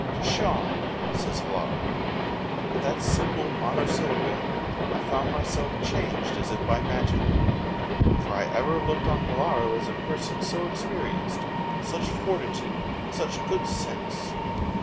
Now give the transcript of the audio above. "Pshaw!" says Hilaro. At that simple mono syllable I found myself changed as if by magic! for I ever looked on Hilaro as a person so experienced such fortitude, such good sense.